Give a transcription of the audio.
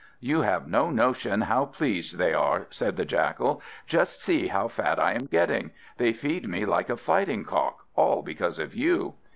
"You have no notion how pleased they are," said the Jackal. "Just see how fat I am getting. They feed me like a fighting cock, all because of you."